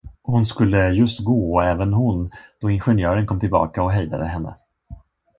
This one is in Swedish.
Hon skulle just gå även hon, då ingenjören kom tillbaka och hejdade henne.